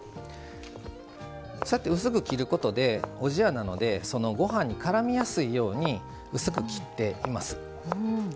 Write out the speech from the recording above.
そうやって薄く切ることでおじやなのでごはんにからみやすいように薄く切っています。